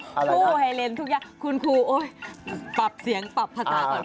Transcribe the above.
ครูให้เล่นทุกอย่างคุณครูโอ๊ยปรับเสียงปรับภาษาก่อน